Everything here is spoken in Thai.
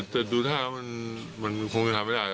แต่ดูท่ามันคงจะทำไม่ได้